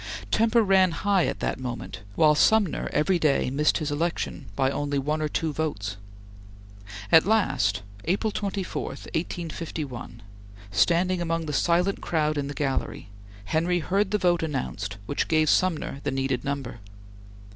Temper ran high at that moment, while Sumner every day missed his election by only one or two votes. At last, April 24, 1851, standing among the silent crowd in the gallery, Henry heard the vote announced which gave Sumner the needed number.